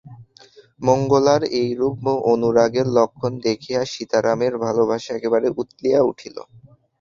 মঙ্গলার এইরূপ অনুরাগের লক্ষণ দেখিয়া সীতারামের ভালবাসা একেবারে উথলিয়া উঠিল।